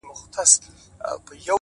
په سپينه زنه كي خال ووهي ويده سمه زه!!